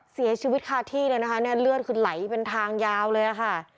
เสียชีวิตคาที่เลยนะคะเนี่ยเลือดคือไหลเป็นทางยาวเลยค่ะ